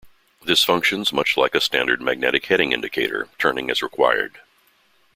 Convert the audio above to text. This functions much like a standard magnetic heading indicator, turning as required.